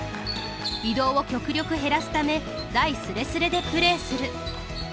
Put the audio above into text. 移動を極力減らすため台スレスレでプレーする。